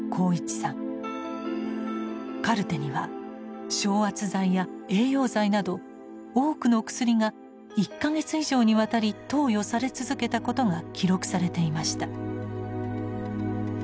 カルテには昇圧剤や栄養剤など多くの薬が１か月以上にわたり投与され続けたことが記録されていました。